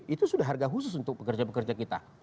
itu sudah harga khusus untuk pekerja pekerja kita